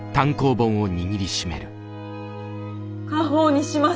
家宝にします！